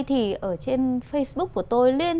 thì ở trên facebook của tôi